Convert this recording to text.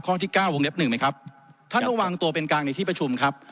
ข้อที่เก้าวงเล็บหนึ่งไหมครับท่านระวังตัวเป็นกลางในที่ประชุมครับ